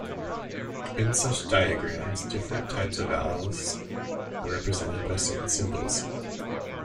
In such diagrams, different types of valves are represented by certain symbols.